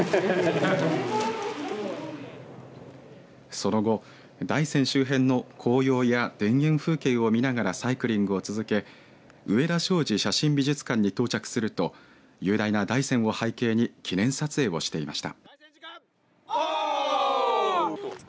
その後、大山周辺の紅葉や田園風景を見ながらサイクリングを続け植田正治写真美術館に到着すると雄大な大山を背景に記念撮影をしていました。